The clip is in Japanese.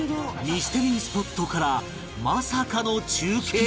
ミステリースポットからまさかの中継？